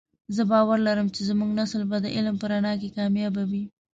زه باور لرم چې زمونږ نسل به د علم په رڼا کې کامیابه وی